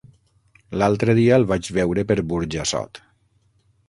L'altre dia el vaig veure per Burjassot.